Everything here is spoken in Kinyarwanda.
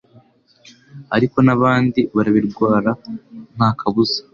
ariko n'abandi barabirwara ntakabuza